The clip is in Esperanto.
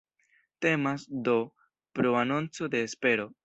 Temas, do, pro anonco de espero.